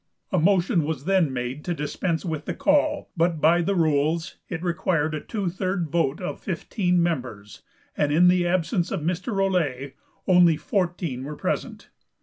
A motion was then made to dispense with the call, but by the rules it required a two third vote of fifteen members, and in the absence of Mr. Rolette only fourteen were present.